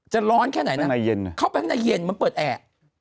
จะร้อนแค่ไหนนะข้างในเย็นเข้าไปข้างในเย็นมันเปิดแอ่